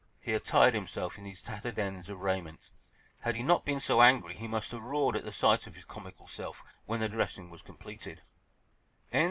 He attired himself in these tattered ends of raiment. Had he not been so angry he must have roared at sight of his comical self when the dressing was completed.